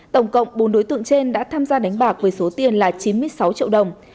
tổng cộng bốn đối tượng trên đã tham gia đánh bạc với số tiền là chín mươi sáu triệu đồng